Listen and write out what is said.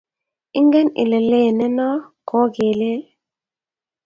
ingen ile leene noo ko ke lel